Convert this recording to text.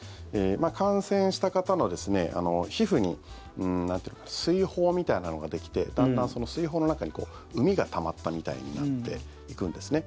感染した方の皮膚に水疱みたいなのができてだんだんその水疱の中にうみがたまったみたいになっていくんですね。